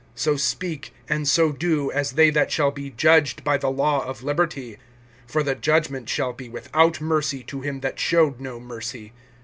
(12)So speak, and so do, as they that shall be judged by the law of liberty. (13)For the judgment shall be without mercy, to him that showed no mercy.